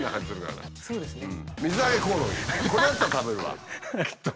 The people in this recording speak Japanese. これだったら食べるわきっと。